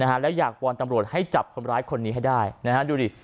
นะฮะแล้วอยากวอนตำรวจให้จับคนร้ายคนนี้ให้ได้นะฮะดูดิ